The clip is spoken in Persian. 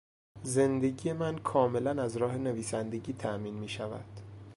زندگی من کاملا از راه نویسندگی تامین میشود.